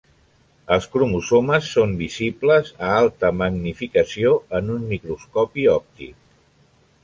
Els cromosomes són visibles a alta magnificació en un microscopi òptic.